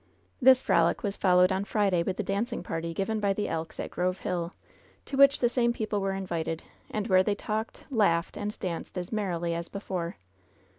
This frolic was followed on Friday with a dancing party given by the Elks at Grove Hill, to which the same people were invited, and where they talked, laughed and danced as merrily as before.